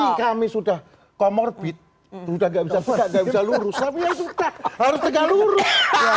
meski kami sudah comorbid sudah gak bisa lukak gak bisa lurus tapi ya sudah harus tegak lurus